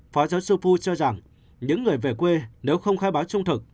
phó giáo sư phu cho rằng những người về quê nếu không khai báo trung thực